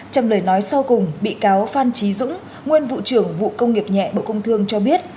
trong lời nói sau cùng bị cáo phan trí dũng nguyên vụ trưởng vụ công nghiệp nhẹ bộ công thương cho biết